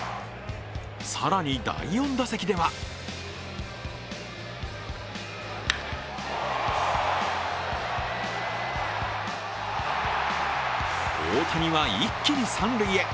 更に、第４打席では大谷は一気に三塁へ。